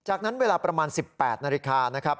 จากนั้นเวลาประมาณ๑๘นาฬิกานะครับ